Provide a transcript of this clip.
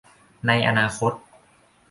ในอนาคต